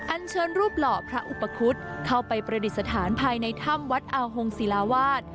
อันเชิญรูปหล่อพระอุปคุฎเข้าไปประดิษฐานภายในถ้ำวัดอาวฮงศิลาวาส